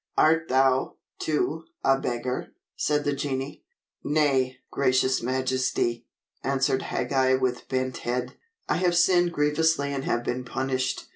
"Art thou, too, a beggar?" said the genii. "Nay, gracious majesty," answered Hagag with bent head. "I have sinned grievously and have been punished.